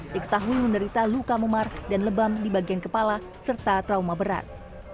diketahui menderita luka memar dan lebam di bagian kepala serta trauma berat